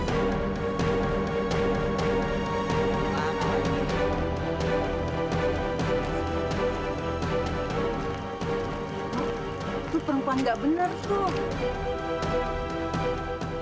itu perempuan enggak benar tuh